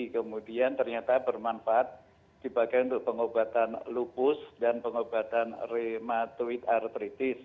kemudian ternyata bermanfaat dipakai untuk pengobatan lupus dan pengobatan rheumatoid artritis